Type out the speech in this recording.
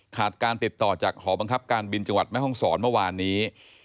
การติดต่อจากหอบังคับการบินจังหวัดแม่ห้องศรเมื่อวานนี้